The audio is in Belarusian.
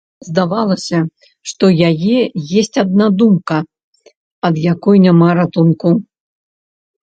Здавалася, што яе есць адна думка, ад якой няма ратунку.